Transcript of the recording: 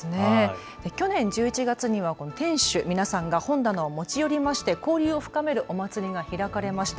去年１１月には店主が本棚を持ち寄りまして交流を深める祭りが開かれました。